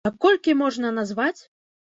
А колькі можна назваць?